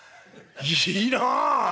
いいなあ。